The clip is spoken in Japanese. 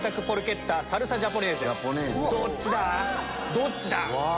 どっちだ？